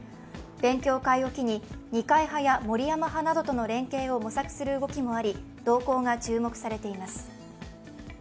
勉強会を機に二階派や森山派などとの連携を模索する動きもあり、動向が注目されています。